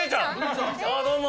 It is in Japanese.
あどうも。